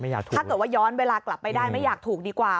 ถ้าเกิดว่าย้อนเวลากลับไปได้ไม่อยากถูกดีกว่า